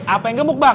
apa yang gemuk bang